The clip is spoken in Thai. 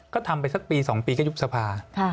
ก็ทำไปสักปี๒ปีก็ยุบสภา